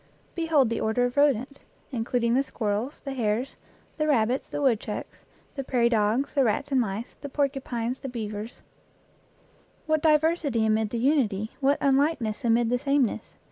Behold the order of rodents, including the squirrels, the hares, the rabbits, the wood chucks, the prairie dogs, the rats and mice, the porcupines the beavers what diversity amid the unity, what unlikeness amid the sameness